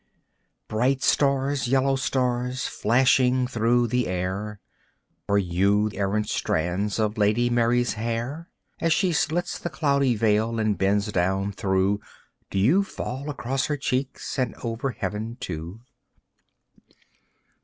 Bright stars, yellow stars, flashing through the air, Are you errant strands of Lady Mary's hair? As she slits the cloudy veil and bends down through, Do you fall across her cheeks and over heaven too?